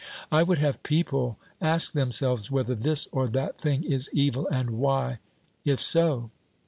I would have people ask themselves whether this or that thing is evil, and why, if so